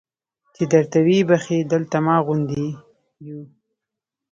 چې درته ویې بخښي دلته ما غوندې یو.